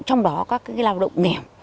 trong đó các lao động nghèo